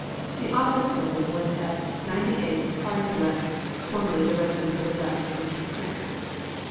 The office building was at 98 Haringvliet, formerly the residence of a Dutch merchant prince.